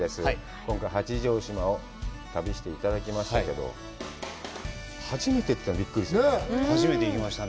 今回は八丈島を旅していただきましたけど、初めてというのは、びっくりするね。